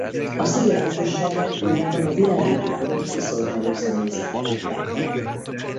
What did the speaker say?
A sziget lakosságát korábban a világítótorony kiszolgáló személyzete alkotta.